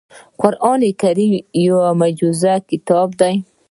قرآن کریم یو معجز کتاب دی .